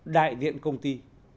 năm đại diện công ty